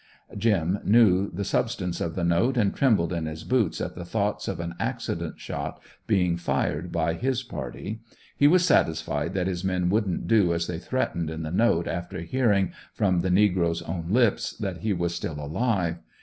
"Jim" knew the substance of the note and trembled in his boots at the thoughts of an accident shot being fired by his party. He was satisfied that his men wouldn't do as they threatened in the note after hearing, from the negro's own lips, that he was still alive.